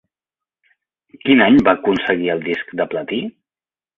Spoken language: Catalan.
Quin any va aconseguir el disc de platí?